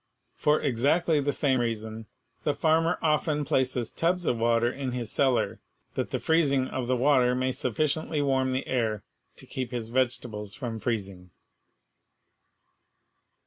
For exactly the same reason the farmer often places tubs of water in his cellar that the freezing of the water may sufficiently warm the air to keep his vegetables from freezing.